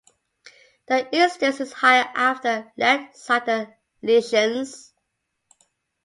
The incidence is higher after left-sided lesions.